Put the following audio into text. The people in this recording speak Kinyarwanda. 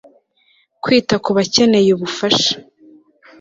kwita kubakeneye ubufasha